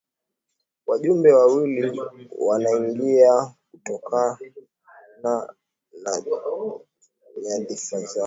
wajumbe wawili wanaingia kutokana na nyadhifa zao